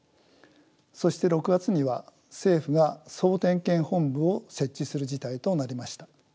そして６月には政府が総点検本部を設置する事態となりました。